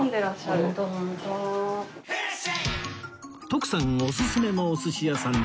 徳さんおすすめのお寿司屋さん